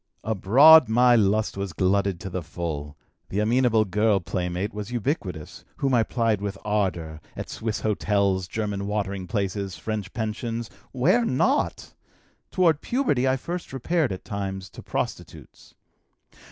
"Abroad my lust was glutted to the full: the amenable girl playmate was ubiquitous, whom I plied with ardor at Swiss hotels, German watering places, French pensions, where not? Toward puberty I first repaired at times to prostitutes.